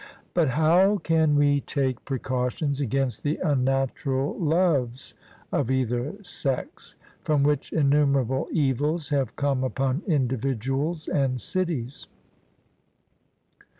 But how can we take precautions against the unnatural loves of either sex, from which innumerable evils have come upon individuals and cities?